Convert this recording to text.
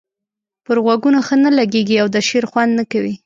پر غوږونو ښه نه لګيږي او د شعر خوند نه کوي.